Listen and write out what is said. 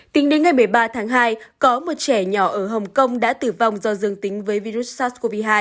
tính đến ngày một mươi ba tháng hai có một trẻ nhỏ ở hồng kông đã tử vong do dương tính với virus sars cov hai